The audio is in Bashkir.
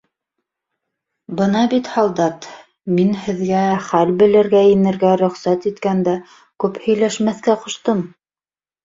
— Бына бит, һалдат, мин һеҙгә хәл белергә инергә рөхсәт иткәндә күп һөйләшмәҫкә ҡуштым.